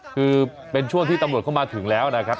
คือเป็นช่วงที่ตำรวจเข้ามาถึงแล้วนะครับ